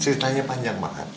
ceritanya panjang banget